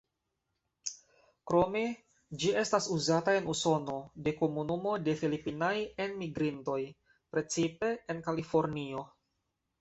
Krome ĝi estas uzata en Usono de komunumo de filipinaj enmigrintoj, precipe en Kalifornio.